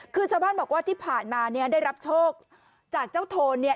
คือชาวบ้านบอกว่าที่ผ่านมาเนี่ยได้รับโชคจากเจ้าโทนเนี่ย